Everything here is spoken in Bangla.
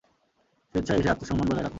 স্বেচ্ছায় এসে আত্মসম্মান বজায় রাখো।